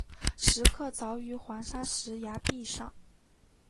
石刻凿于黄砂石崖壁上。